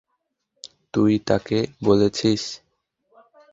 তুই তাকে বলেছিস?